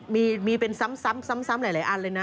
มีเป็นซ้ำหลายอันเลยนะ